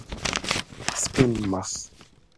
سپین مخ